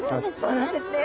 そうなんですね。